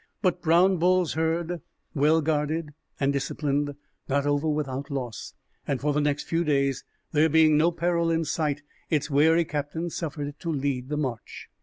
But Brown Bull's herd, well guarded and disciplined, got over without loss; and for the next few days, there being no peril in sight, its wary captain suffered it to lead the march.